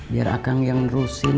biar akan yang rusin